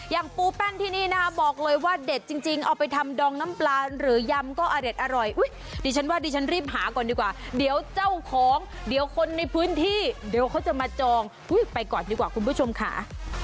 ปูแป้นที่นี่นะคะบอกเลยว่าเด็ดจริงเอาไปทำดองน้ำปลาหรือยำก็อเด็ดอร่อยอุ๊ยดิฉันว่าดิฉันรีบหาก่อนดีกว่าเดี๋ยวเจ้าของเดี๋ยวคนในพื้นที่เดี๋ยวเขาจะมาจองไปก่อนดีกว่าคุณผู้ชมค่ะ